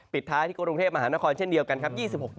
ท้ายที่กรุงเทพมหานครเช่นเดียวกันครับ